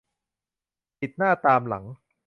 ติดหน้าตามหลัง